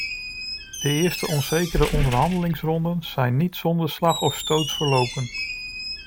De eerste onzekere onderhandelingsronden zijn niet zonder slag of stoot verlopen.